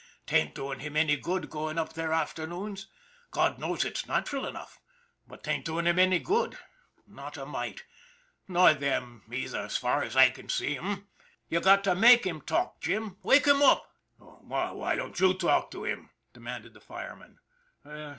" 'Tain't doing him any good going up there afternoons. God knows it's natural enough, but 'tain't doing him any good, not a mite nor them either, as far as I can see, h'm ? You got to make him talk, Jim. Wake him up." " Why don't you talk to him? " demanded the fire man.